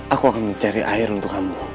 aku akan mencari air untuk kamu